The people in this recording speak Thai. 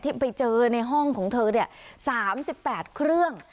ที่ไปเจอในห้องของเธอเนี่ยสามสิบแปดเครื่อง